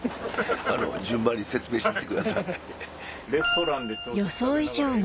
順番に説明して行ってください。